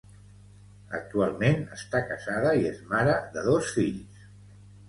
Actualment està casada i és mare de dos fills.